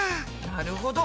なるほど！